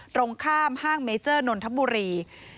ตรงข้ามห้างเมเจอร์นนทบุรี